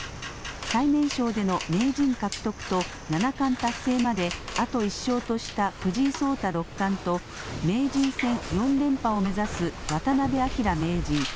最年少での名人獲得と、七冠達成まであと１勝とした藤井聡太六冠と、名人戦４連覇を目指す渡辺明名人。